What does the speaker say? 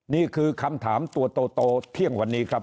นี่คือคำถามตัวโตเที่ยงวันนี้ครับ